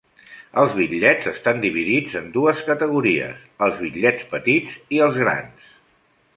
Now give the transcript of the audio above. Els bitllets estan dividits en dues categories: els bitllets petits i els grans.